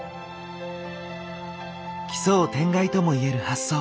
奇想天外ともいえる発想。